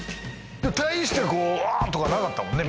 大してこうあっ！とかなかったもんね